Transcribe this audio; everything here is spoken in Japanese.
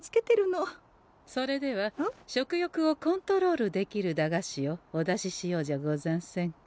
それでは食欲をコントロールできる駄菓子をお出ししようじゃござんせんか。